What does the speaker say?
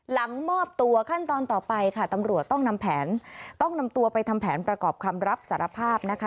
มอบตัวขั้นตอนต่อไปค่ะตำรวจต้องนำแผนต้องนำตัวไปทำแผนประกอบคำรับสารภาพนะคะ